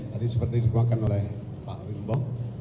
tadi seperti dikeluarkan oleh pak wimbo